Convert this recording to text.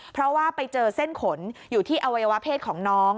เพราะว่าไปเจอเส้นขนอยู่ที่อวัยวะเพศของน้อง